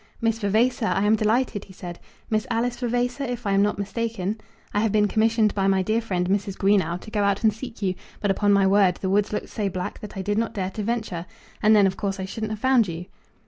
"Miss Vavasor, I am delighted," he said. "Miss Alice Vavasor, if I am not mistaken? I have been commissioned by my dear friend Mrs. Greenow to go out and seek you, but, upon my word, the woods looked so black that I did not dare to venture; and then, of course, I shouldn't have found you."